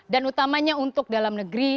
dan utamanya untuk dalam negeri